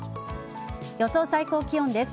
予想最高気温です。